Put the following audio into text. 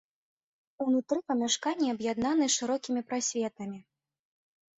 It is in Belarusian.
Унутры памяшканні аб'яднаны шырокімі прасветамі.